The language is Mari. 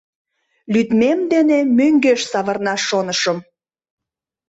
Лӱдмем дене мӧҥгеш савырнаш шонышым.